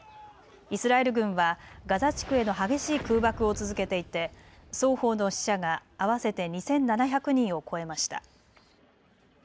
イスラエル軍はガザ地区への激しい空爆を続けていて双方の死者が合わせて２７００人を超えました。